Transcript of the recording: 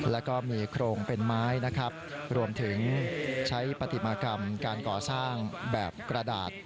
แล้วก็มีโครงเป็นไม้นะครับรวมถึงใช้ปฏิมากรรมการก่อสร้างแบบกระดาษ